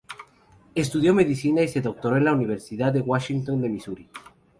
Estudió medicina y se doctoró en la Universidad de Washington de Misuri.